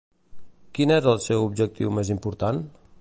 Quin és el seu objectiu més important?